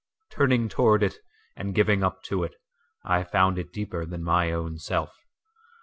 Turning toward it, and giving up to it,I found it deeper than my own self.